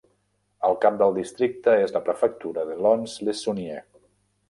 El cap del districte és la prefectura de Lons-le-Saunier.